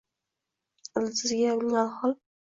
Ildiziga uning alhol